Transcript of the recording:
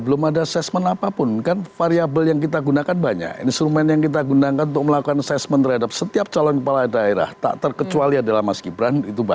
belum ada assessment apapun kan variable yang kita gunakan banyak instrumen yang kita gunakan untuk melakukan assessment terhadap setiap calon kepala daerah tak terkecuali adalah mas gibran itu banyak